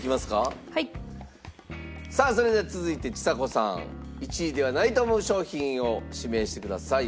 さあそれでは続いてちさ子さん１位ではないと思う商品を指名してください。